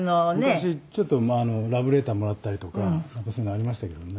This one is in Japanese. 昔ちょっとまあラブレターもらったりとかそういうのありましたけどもね。